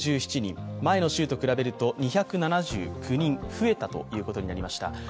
前の週と比べると２７９人増えたということになりました。